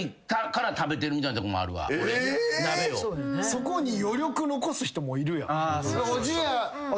そこに余力残す人もいる。